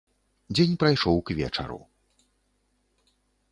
Дзень прайшоў к вечару.